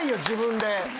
自分で。